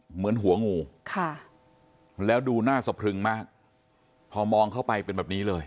เหมือนหัวงูค่ะแล้วดูหน้าสะพรึงมากพอมองเข้าไปเป็นแบบนี้เลย